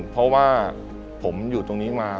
เพราะว่าผมอยู่ตรงนี้มา